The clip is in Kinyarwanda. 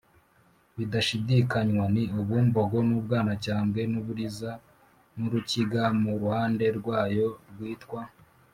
bidashidikanywa, ni ubumbogo n’ubwanacyambwe, n’uburiza n’urukiga mu ruhande rwayo rwitwa